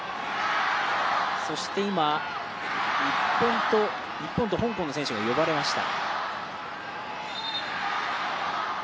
そして今、日本と香港の選手が呼ばれました。